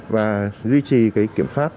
và duy trì cái kiểm pháp